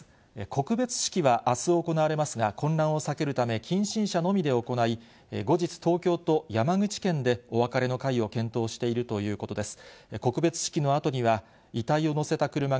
告別式はあす行われますが、混乱を避けるため、近親者のみで行い、後日、東京と山口県でお別れの会を検討しているということです。